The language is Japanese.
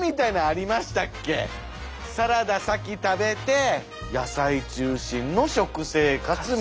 サラダ先食べて野菜中心の食生活みたいなことが。